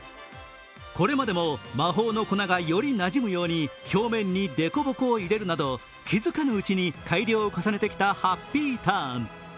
これまでも魔法の粉がよりなじむように表面にでこぼこを入れるなど、気づかぬうちに改良を重ねてきたハッピーターン。